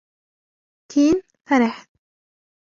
كين فرِح.